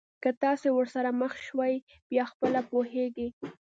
که تاسي ورسره مخ شوی بیا خپله پوهېږئ.